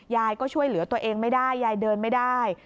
ยายก็ช่วยเหลือตัวเองไม่ได้ยายเดินไม่ได้